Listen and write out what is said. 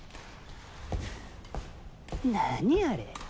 何あれ？